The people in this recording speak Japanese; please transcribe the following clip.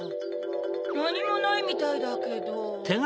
なにもないみたいだけど。